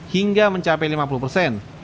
hingga mencapai lima puluh persen